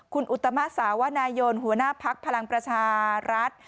คุณอุตมะสาวนายนหัวหน้าภักดิ์พลังประชารัฐ